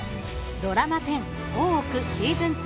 ドラマ１０、「大奥」シーズン２。